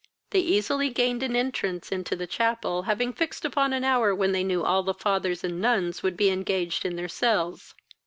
They easily gained an entrance into the chapel, having fixed upon an hour when they knew all the fathers and nuns would be engaged in their cells.